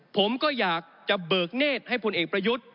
ผมก็อยากจะเบิกเนธให้พลเอกประยุทธ์